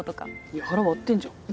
いや腹割ってんじゃん。